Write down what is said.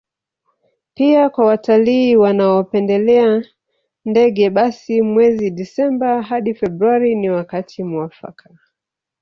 Pia kwa watalii wanaopendelea ndege basi mwezi Disemba hadi Februari ni wakati muafaka